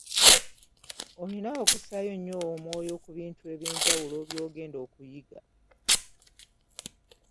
Olina okussaayo ennyo omwoyo ku bintu eby’enjawulo by’ogenda okuyiga.